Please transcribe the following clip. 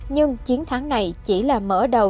nhưng chiến thắng này chỉ là mở đầu